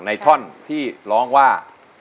ท่อนที่ร้องว่า